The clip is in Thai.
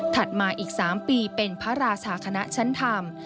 มาอีก๓ปีเป็นพระราชาคณะชั้นธรรม